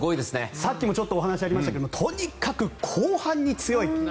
さっきもお話がありましたがとにかく後半に強い。